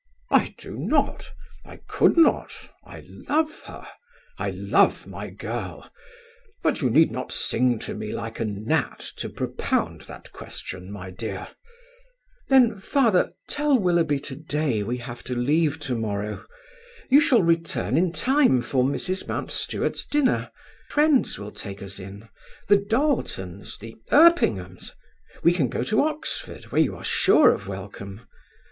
"I do not; I could not; I love her; I love my girl. But you need not sing to me like a gnat to propound that question, my dear." "Then, father, tell Willoughby to day we have to leave tomorrow. You shall return in time for Mrs. Mountstuart's dinner. Friends will take us in, the Darletons, the Erpinghams. We can go to Oxford, where you are sure of welcome.